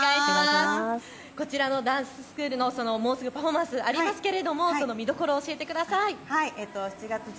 こちらのダンススクールのパフォーマンスありますけどその見どころを教えてください。